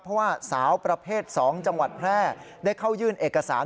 เพราะว่าสาวประเภท๒จังหวัดแพร่ได้เข้ายื่นเอกสาร